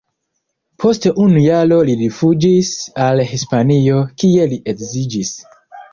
Post unu jaro li rifuĝis al Hispanio, kie li edziĝis.